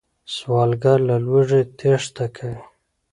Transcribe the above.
سوالګر له لوږې تېښته کوي